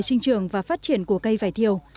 sinh trường và phát triển của cây vải thiếu